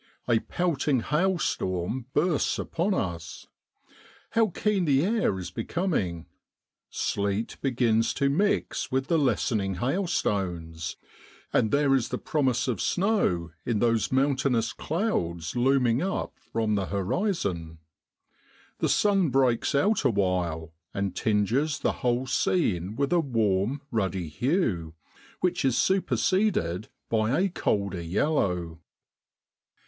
A pelting hailstorm bursts upon us. How keen the air is becoming ! Sleet begins to mix with the lessening hailstones, and there is the promise of snow in those mountainous clouds looming up from the horizon. The sun. breaks out awhile, and tinges the whole scene with a warm ruddy hue, which is superseded by a colder yellow.